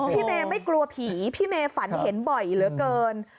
พี่เมย์ไม่กลัวผีพี่เมย์ฝันเห็นบ่อยเหลือเกิน